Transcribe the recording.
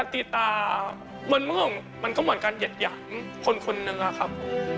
ติดตามันก็เหมือนกันหยัดหยั่นคนคนเนื้อครับ